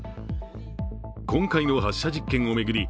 今回の発射実験を巡り